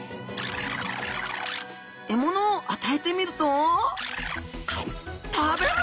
獲物を与えてみると食べる！